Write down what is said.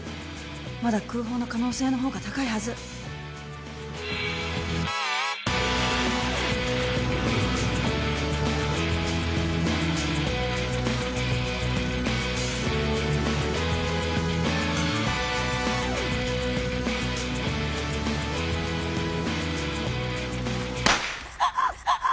まだ空砲の可能性の方が高いはずはっ！？はっ！？